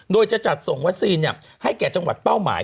โดยจะจัดส่งวัคซีนให้แก่จังหวัดเป้าหมาย